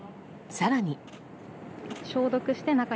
更に。